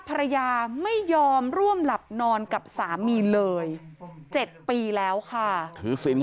ภรรยาไม่ยอมร่วมหลับนอนกับสามีเลย๗ปีแล้วค่ะ